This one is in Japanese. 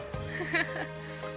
フフフ。